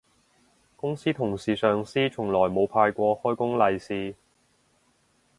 公司同事上司從來冇派過開工利是